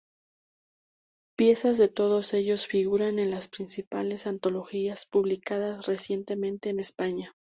Piezas de todos ellos figuran en las principales antologías publicadas recientemente en España.